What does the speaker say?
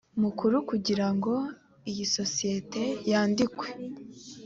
mukuru kugira ngo isosiyete yandikwe